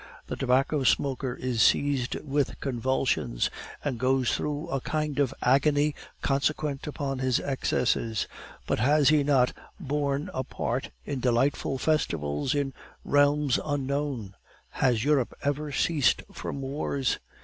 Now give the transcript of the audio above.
The tobacco smoker is seized with convulsions, and goes through a kind of agony consequent upon his excesses; but has he not borne a part in delightful festivals in realms unknown? Has Europe ever ceased from wars?